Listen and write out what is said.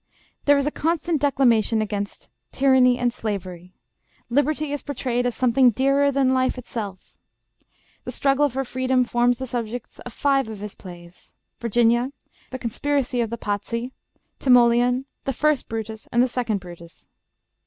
There is a constant declamation against tyranny and slavery. Liberty is portrayed as something dearer than life itself. The struggle for freedom forms the subjects of five of his plays, 'Virginia,' 'The Conspiracy of the Pazzi,' 'Timoleon,' the 'First Brutus,' and the 'Second Brutus.'